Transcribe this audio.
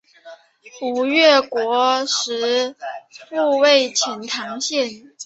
吴越国时复为钱唐县。